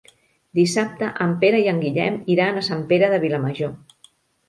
Dissabte en Pere i en Guillem iran a Sant Pere de Vilamajor.